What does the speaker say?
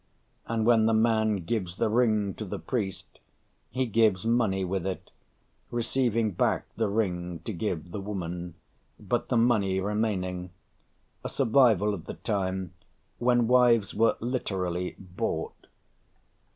and when the man gives the ring to the priest, he gives money with it, receiving back the ring to give the woman, but the money remaining, a survival of the time when wives were literally bought.